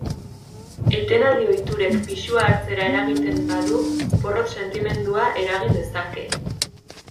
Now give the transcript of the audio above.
Etenaldi ohiturek pisua hartzera eragiten badu, porrot sentimendua eragin dezake.